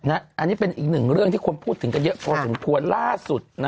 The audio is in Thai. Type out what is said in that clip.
อันนี้เป็นอีกหนึ่งเรื่องที่คนพูดถึงกันเยอะพอสมควรล่าสุด